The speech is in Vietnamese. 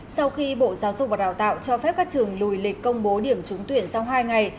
sau khi bộ giáo dục và đào tạo cho phép các trường lùi lịch công bố điểm trúng tuyển sau hai ngày